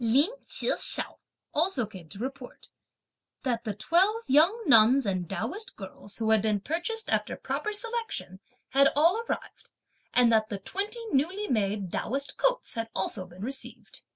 Lin Chih hsiao also came to report: "that the twelve young nuns and Taoist girls, who had been purchased after proper selection, had all arrived, and that the twenty newly made Taoist coats had also been received.